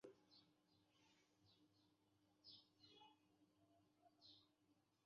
মানুষ সম্বন্ধে জ্ঞান শ্রেষ্ঠ জ্ঞান, এবং মানুষকে জানিয়াই আমরা ঈশ্বরকে জানিতে পারি।